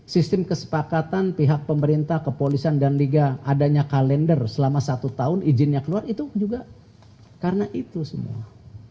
sistem kesepakatan pihak pemerintah kepolisian dan liga adanya kalender selama satu tahun izinnya keluar itu juga karena itu semua